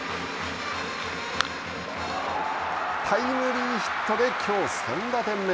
タイムリーヒットできょう３打点目。